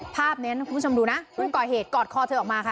ภาพนี้คุณผู้ชมดูนะผู้ก่อเหตุกอดคอเธอออกมาค่ะ